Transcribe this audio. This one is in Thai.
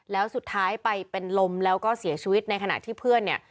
แล้วสุดท้ายไปเป็นลมแล้วก็เสียชีวิตในขณะที่เพื่อนเนี่ย